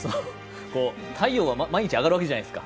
太陽は毎日上がるわけじゃないですか。